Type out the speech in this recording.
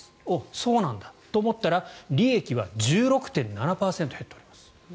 そうなんだと思ったら利益は１６．７％減っております